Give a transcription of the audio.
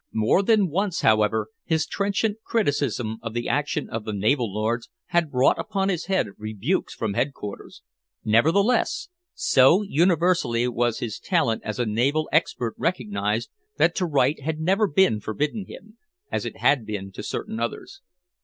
More than once, however, his trenchant criticism of the action of the naval lords had brought upon his head rebukes from head quarters; nevertheless, so universally was his talent as a naval expert recognized, that to write had never been forbidden him as it had been to certain others.